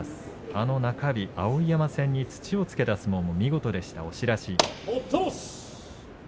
あの中日、碧山に土をつけた相撲も見事でした、押し出し。